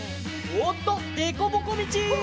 あっでこぼこみち！